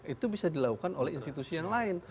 itu bisa dilakukan oleh institusi yang lain